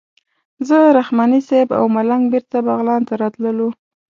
زه رحماني صیب او ملنګ بېرته بغلان ته راتللو.